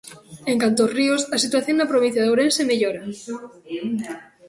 En canto aos ríos, a situación na provincia de Ourense mellora.